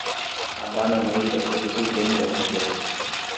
A bananeira produziu bem desta vez